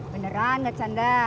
beneran enggak canda